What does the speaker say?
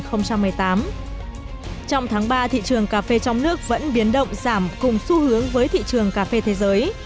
trong tháng ba thị trường cà phê trong nước vẫn biến động giảm cùng xu hướng với thị trường cà phê thế giới